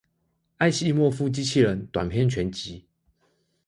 艾西莫夫機器人短篇全集